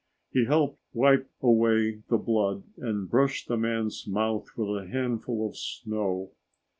He helped wipe away the blood and brushed the man's mouth with a handful of snow.